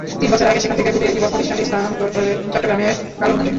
তিন বছর আগে সেখান থেকে গুটিয়ে ইভস প্রতিষ্ঠানটি স্থানান্তর করেন চট্টগ্রামের কালুরঘাটে।